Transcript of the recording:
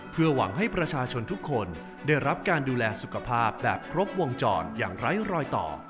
เพื่อหวังให้ประชาชนทุกคนได้รับการดูแลสุขภาพแบบครบวงจรอย่างไร้รอยต่อ